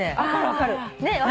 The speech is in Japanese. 分かるね。